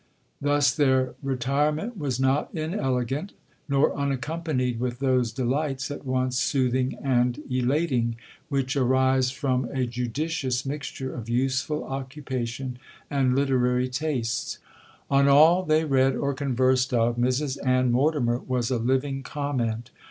'Thus their retirement was not inelegant, nor unaccompanied with those delights at once soothing and elating, which arise from a judicious mixture of useful occupation and literary tastes. 'On all they read or conversed of, Mrs Ann Mortimer was a living comment.